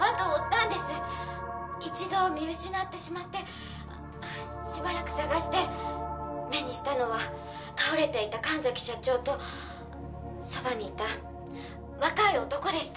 「一度見失ってしまってしばらく捜して」「目にしたのは倒れていた神崎社長とそばにいた若い男でした」